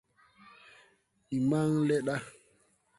Ndi maŋn le ɗa.